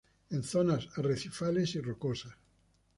En zonas arrecifales y rocosas.